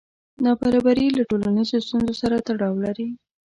نابرابري له ټولنیزو ستونزو سره تړاو لري.